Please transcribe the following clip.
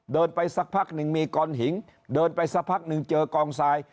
เดินไปสักพักหนึ่งมีกอนหิงเดินไปสักพักหนึ่งเจอกองทราย